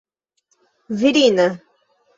virina